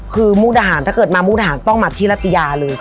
คือมุกดาหารถ้าเกิดมามุกดาหารต้องมาที่รัตยาเลย